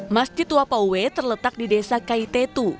masjid wapauwe terletak di desa kaitetu